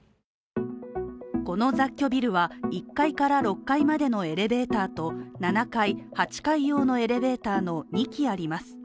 この雑居ビルは１階から６階までのエレベーターと７階、８階用のエレベーターの２基あります。